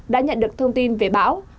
đã nhận được thông tin về bão